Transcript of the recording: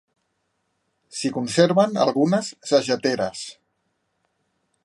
S'hi conserven algunes sageteres.